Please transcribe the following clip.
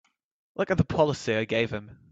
Look at the policy I gave him!